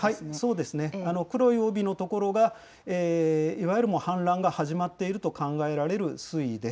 そうですね、黒い帯の所が、いわゆるもう氾濫が始まっていると考えられる水位です。